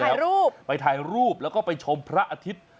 ถ่ายรูปไปถ่ายรูปแล้วก็ไปชมพระอาทิตย์